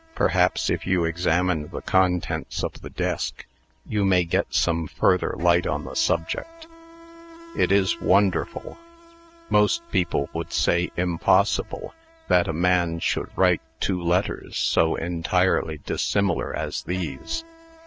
Perhaps, if you examine the contents of the desk, you may get some further light on the subject. It is wonderful most people would say impossible that a man should write two letters so entirely dissimilar as these."